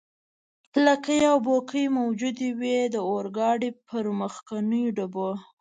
لکۍ او بوکۍ موجودې وې، د اورګاډي پر مخکنیو ډبو.